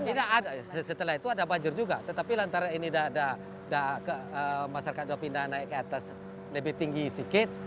tidak ada setelah itu ada banjir juga tetapi lantaran ini masyarakat sudah pindah naik ke atas lebih tinggi sedikit